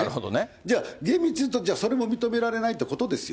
じゃあ厳密に言うと、それも認められないということですよ。